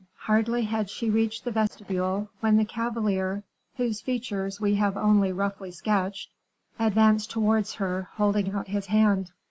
Hardly had she reached the vestibule, when the cavalier, whose features we have only roughly sketched, advanced towards her, holding out his hand.